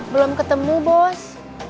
belum ketemu bos